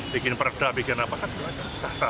bikin perda bikin apa itu saja